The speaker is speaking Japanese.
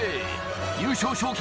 優勝賞金